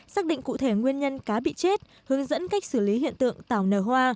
xác định cụ thể nguyên nhân cá bị chết hướng dẫn cách xử lý hiện tượng tảo nở hoa